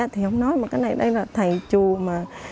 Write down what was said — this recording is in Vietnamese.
thì không nói mà cái này đây là thầy chùa